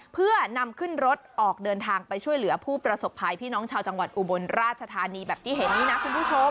เพื่อนำขึ้นรถออกเดินทางไปช่วยเหลือผู้ประสบภัยพี่น้องชาวจังหวัดอุบลราชธานีแบบที่เห็นนี้นะคุณผู้ชม